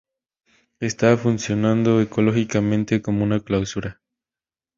Está funcionando ecológicamente como una "clausura".